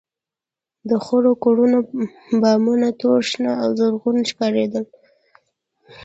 د خړو کورونو بامونه تور، شنه او زرغونه ښکارېدل.